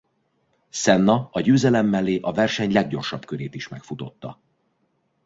Senna a győzelem mellé a verseny leggyorsabb körét is megfutotta.